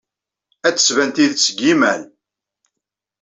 Ad d-tban tidet deg yimal.